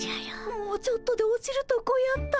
もうちょっとで落ちるとこやった。